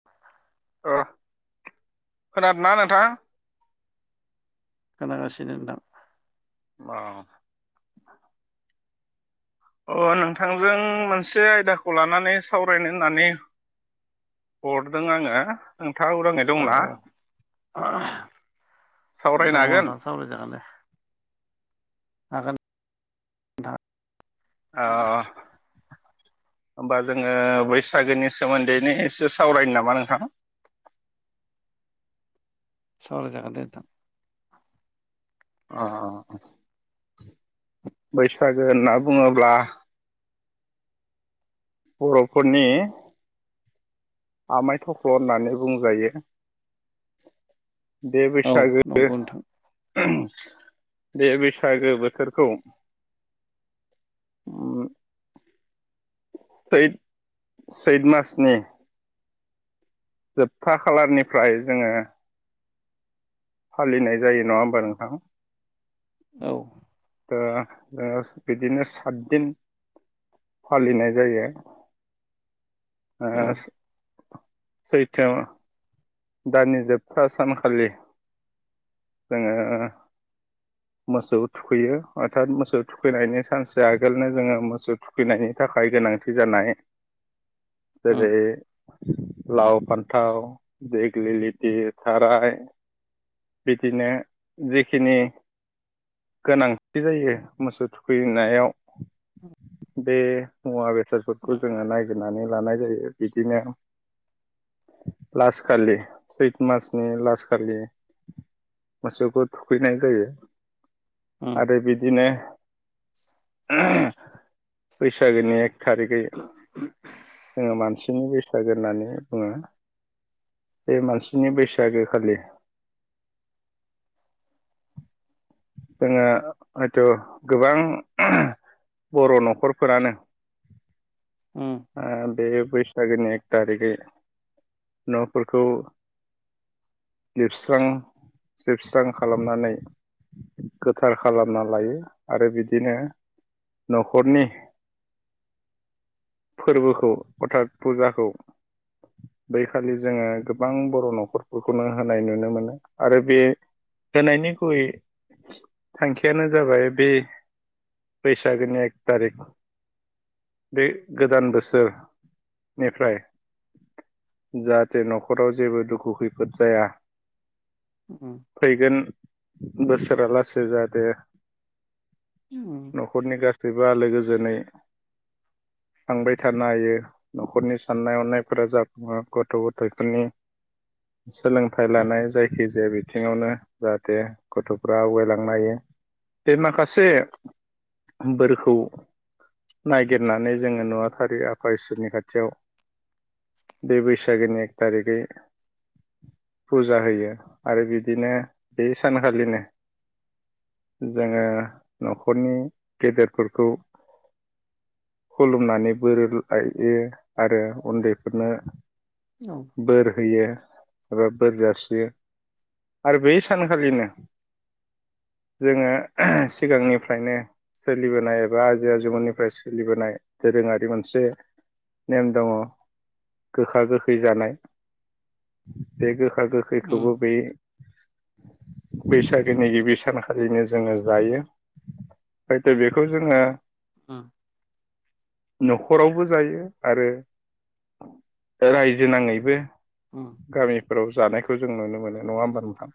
[inaudible] ओ खोनादोंना नोंथां खोनागासिनो नोंथां औ अ नोंथांजों मोनसे आयदाखौ लानानै सावरायनो होननानै हरदों आङो नोंथाङा उदाङै औ दंना औ सावरायनो दङ हागोन नोंथां सावराय जागोन दे हागोन नोंथां औ होमबा जोङो बैसागोनि सोमोन्दैनो एसे सावरायनो नामा नोंथां सावराय जागोन दे नोंथां अ बैसागो होनना बुङोब्ला बर'फोरनि आमाय थख्ल' होननानै बुंजायो दे औ बैसागो नंगौ नोंथां दे बैसागो बोथोरखौ उम सैत सैत मासनि जोबथा खालारनिफ्राय जोङो फालिनाय जायो नङा होमबा नोंथां औ ओ ओ बिदिनो सातदिन फालिनाय जायो ओ औ सैथाम दाननि जोबथा सानखालि जोङो मोसौ थुखैयो अर्थात मोसौ थुखैनायनि सानसे आगोलनो जोङो मोसौ फैनायनि थाखाय गोनांथि जानाय जेरै उम लाव फान्थाव दिग्लि लिथि थाराय बिदिनो जेखिनि गोनांथि जायो मोसौ थुखैनायाव बे मुवा बेसादफोरखौ उम जोङो नायगिरनानै लानाय जायो बिदिनो लास खालि सैत मासनि लास खालि मोसौखौ थुखैनाय जायो आरो बिदिनो बैसागोनि थारिखै जोङो मानसिनि बैसागो होननानै बुङो बे मानसिनि बैसागो खालि जोङो हयथ' गोबां बर' न'खरफोरानो उम ओ बे बैसागोनि एक थारिखै न'फोरखौ लोबस्रां सिबस्रां खालामनानै गोथार उम खालामना लायो आरो बिदिनो न'खरनि फोरबोखौ अर्थात फुजाखौ बैखालि जोङो गोबां बर' न'खरफोरखौनो होनाय नुनो मोनो आरो बे होनायनि गुबयै थांखियानो जाबाय बे बैसागोनि एक थारिख बे गोदान बोसोरनिफ्राय जाहाथे न'खराव जेबो दुखु खैफोद जाया ओम फैगोन बोसोरा लासै जादो उम न'खरनि गासैबो आलो गोजोनै थांबाय थानो हायो न'खरनि साननाय हनायफोरा जाफुङा गथ' गथायफोरनि सोलोंथाइ लानाय जाय खि जाया बिथिङावनो जाहाथे गथ'फ्रा आवगायलांनो हायो बे माखासे बोरखौ नायगिरनानै जोङो नुवाथारि आफा इसोरनि खाथियाव बे बैसागोनि एक तारिगै फुजा होयो आरो बिदिनो बे सानखालिनो जोङो न'खरनि गेदेरफोरखौ खुलुमनानै बोर लायो आरो उन्दैफोरनो औ बोर होयो एबा बोर जासियो आरो बै सानखालिनो जोङो सिगांनिफ्रायनो सोलिबोनाय एबा आजै आजौमोननि फोर सोलिबोनाय दोरोङारि मोनसे नेम दङ' गोखा गोखै जानाय बे गोखा उम गोखैखौबो बे बैसागोनि गिबि सानखालिनो जोङो जायो हयथ' बेखौ जोङो उम न'खरावबो जायो आरो रायजो नाङैबो उम गामिफोराव जानायखौ जों नुनो मोनो नङा होमबा नोंथां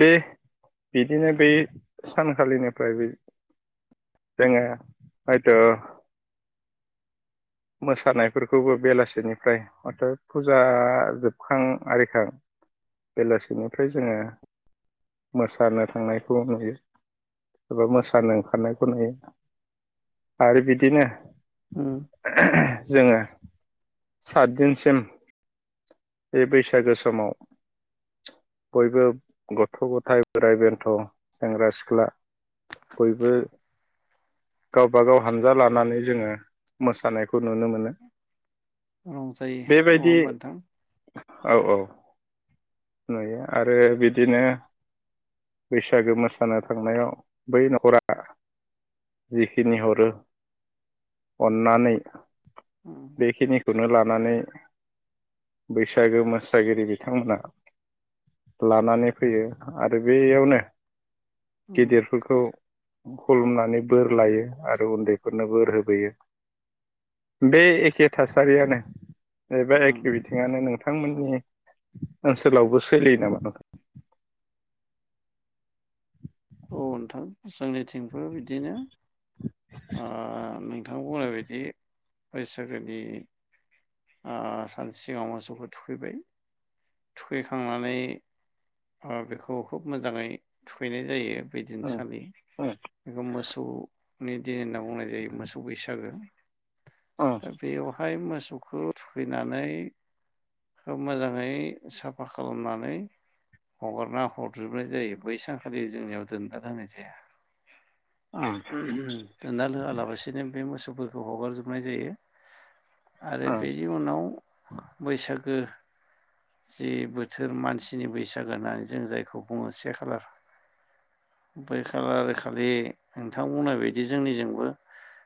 दे बिदिनो बे सान खालिनिफ्राय बे जोङो हयथ' मोसानायफोरखौबो बेलासिनिफ्राय हथ' फुजा जोबखां आरिखां बेलासिनिफ्राय जोङो मोसानो थांनायखौ नुयो एबा मोसानो ओंखारनायखौ नुयो आरो बिदिनो उम जोङो सात दिनसिम बे बैसागो समाव बयबो गथ' गथाय बोराइ बेन्थ' सेंग्रा सिख्ला बयबो गावबा गाव हानजा लानानै जोङो मोसानायखौ नुनो मोनो। रंजायो नङा बेबायदि होमबा नोंथां? औ औ नुयो आरो बिदिनो बैसागो मोसानो थांनायाव बै न'खरा जिखिनि हरो अन्नानै उम बेखिनिखौनो लानानै बैसागो मोसागिरि बिथांमोनहा लानानै फैयो आरो बेयावनो उम गेदेरफोरखौ खुलुमनानै बोर लायो आरो उन्दैफोरनो बोर होबोयो बे एखे थासारियानो ओ- बे उम एखे बिथिङानो नोंथांमोननि ओनसोलावबो सोलियो नामा? अ- नोंथां जोंनिथिंबो बिदिनो [unintelligible] ओं- नोंथां बुंनाय बायदि बैसागोनि ओ- सानसे सिगाङाव मोसौखौ थुखैबाय थुखैखांनानै ओ- बेखौ खुब मोजाङै थुखैनाय जायो। बेदिनसालि बेखौ मोसौ नि दिन होनना बुंनाय जायो मोसौ बैसागो दा बेयावहाय मोसौ खौ- थुखैनानै मोजाङै साफा खालामनानै हगारना हरजोबनाय जायो बैसानखालि जोंनियाव दोनदार होनाय जाया। उम- गदाल होयालासिनो बे मोसौफोरखौ हगारजोबनाय जायो। आरो नोंथां? बेनि उनाव बैसागो जे बोथोर मानसिनि बैसागो होननानै जों जायखौ बुङो से खालार बेै खालार खालि नोंथां बुंनाय बायदि जोंनिजोंबो